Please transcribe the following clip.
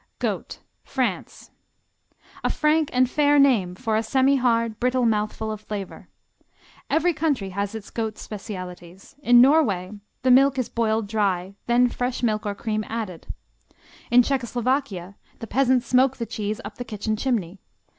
Goat France A frank and fair name for a semihard, brittle mouthful of flavor. Every country has its goat specialties. In Norway the milk is boiled dry, then fresh milk or cream added. In Czechoslovakia the peasants smoke the cheese up the kitchen chimney.